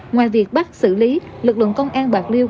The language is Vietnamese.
ngoài việc bắt xử lý lực lượng công an bạc liêu